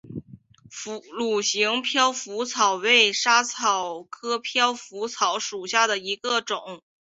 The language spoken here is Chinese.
卵形飘拂草为莎草科飘拂草属下的一个种。